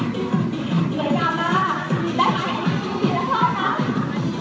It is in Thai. ไปก่อนแขนซ้ายล่ะไปก่อนแขนที่